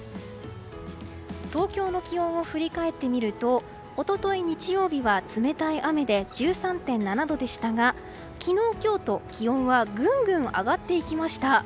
東京の気温を振り返ってみると一昨日、日曜日は冷たい雨で１３．７度でしたが昨日、今日と、気温はぐんぐん上がっていきました。